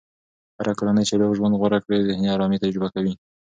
هره کورنۍ چې روغ ژوند غوره کړي، ذهني ارامي تجربه کوي.